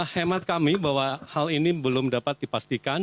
hemat kami bahwa hal ini belum dapat dipastikan